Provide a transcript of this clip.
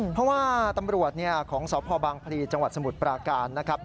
เพราะว่าตำรวจของสพบางพลีจังหวัดสมุทรปราการนะครับ